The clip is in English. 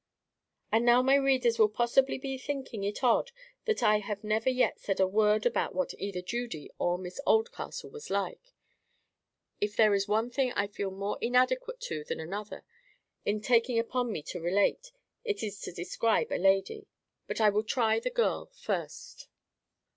And now my readers will possibly be thinking it odd that I have never yet said a word about what either Judy or Miss Oldcastle was like. If there is one thing I feel more inadequate to than another, in taking upon me to relate—it is to describe a lady. But I will try the girl first.